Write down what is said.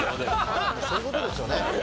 そういうことですよね。